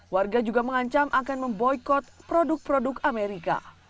warga juga mengancam akan memboykot produk produk amerika